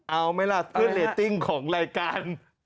เอาไหมล่ะเพื่อนเรตติ้งของรายการ